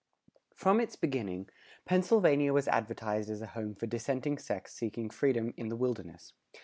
From its beginning, Pennsylvania was advertised as a home for dissenting sects seeking freedom in the wilderness.